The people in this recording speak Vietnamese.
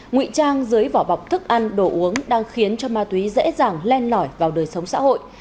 ngụy trang dưới vỏ bọc thức ăn đồ uống đang khiến cho ma túy dễ dàng len lỏi vào đời sống xã hội